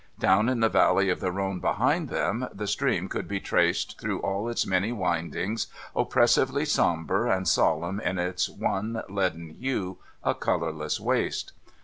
Down in the valley of the Rhone behind them, the stream could be traced through all its many windings, oppressively sombre and solemn in its one leaden hue, a colourless waste.